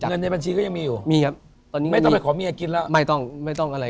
เงินในบัญชีก็ยังมีอยู่มีครับตอนนี้ไม่ต้องไปขอเมียกินแล้วไม่ต้องไม่ต้องอะไร